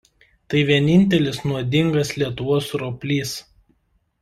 Tai vienintelis nuodingas Lietuvos roplys.